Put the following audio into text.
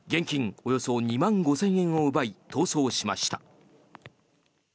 およそ２万５０００円を奪い逃走しました。